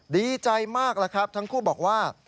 ดีใจมากแล้วครับทั้งคู่บอกว่า